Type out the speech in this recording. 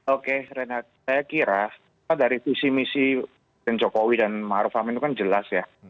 oke renat saya kira dari visi visi jokowi dan maruf amin itu kan jelas ya